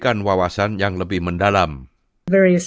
katakan saja anda berjalan dari